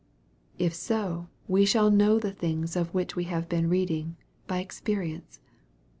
If so, we shall know the things of which we have been reading, by experience.